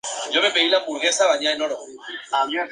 Meir Feinstein".